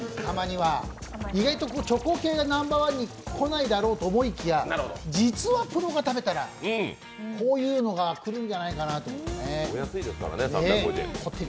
意外とチョコ系がナンバーワンに来ないだろうと思いきや、実はプロが食べたら、こういうのがくるんじゃないかなと思って、コッテリ。